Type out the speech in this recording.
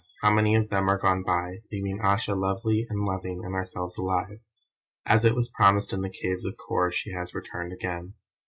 how many of them are gone by, leaving Ayesha lovely and loving and ourselves alive. As it was promised in the Caves of Kôr She has returned again.